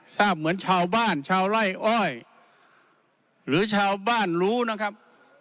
ทราบเหมือนชาวบ้านชาวไล่อ้อยหรือชาวบ้านรู้นะครับ